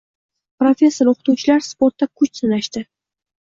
Professor-o‘qituvchilar sportda kuch sinashdi